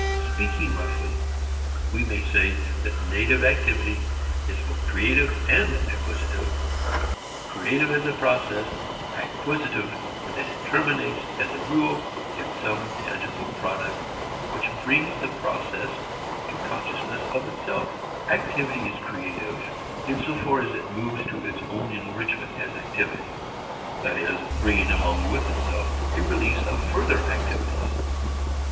Speaking roughly we may say that native activity is both creative and acquisitive, creative as a process, acquisitive in that it terminates as a rule in some tangible product which brings the process to consciousness of itself. Activity is creative in so far as it moves to its own enrichment as activity, that is, bringing along with itself a release of further activities.